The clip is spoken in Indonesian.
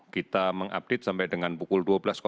kita mengupdate sampai dengan pukul dua belas